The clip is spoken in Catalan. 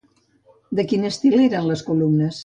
De quin estil eren les columnes?